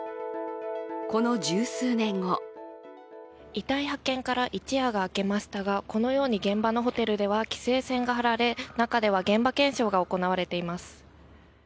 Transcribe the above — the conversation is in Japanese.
この十数年後遺体発見から一夜が明けましたが、このように現場のホテルでは規制線が貼られ、中では現場検証が行われています。